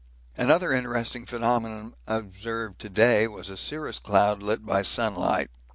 Another interesting phenomenon observed to day was a cirrus cloud lit by sunlight.